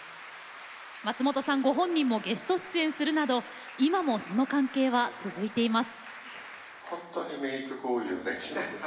松本さんご本人もゲスト出演するなど今もその関係は続いています。